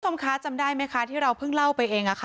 คุณผู้ชมคะจำได้ไหมคะที่เราเพิ่งเล่าไปเอง